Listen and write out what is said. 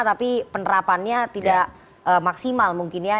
tapi penerapannya tidak maksimal mungkin ya